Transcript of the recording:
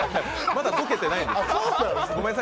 まだ解けてないから。